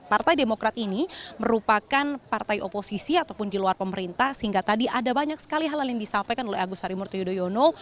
partai demokrat ini merupakan partai oposisi ataupun di luar pemerintah sehingga tadi ada banyak sekali hal hal yang disampaikan oleh agus harimurti yudhoyono